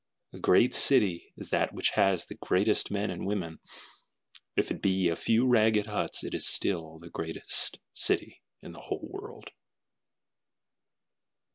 A great city is that which has the greatest men and women, If it be a few ragged huts it is still the greatest city in the whole world.